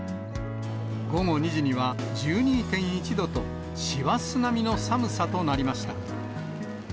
午後２時には１２．１度と、師走並みの寒さとなりました。